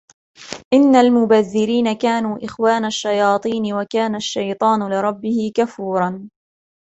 إن المبذرين كانوا إخوان الشياطين وكان الشيطان لربه كفورا